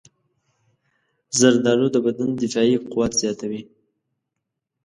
زردالو د بدن دفاعي قوت زیاتوي.